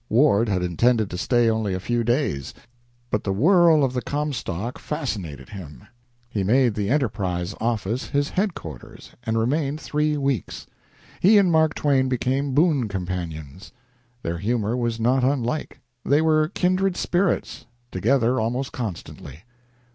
Ward had intended to stay only a few days, but the whirl of the Comstock fascinated him. He made the "Enterprise" office his headquarters and remained three weeks. He and Mark Twain became boon companions. Their humor was not unlike; they were kindred spirits, together almost constantly.